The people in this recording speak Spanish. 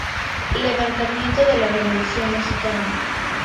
Levantamiento de la Revolución mexicana.